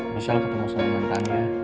michelle ketemu sama mantannya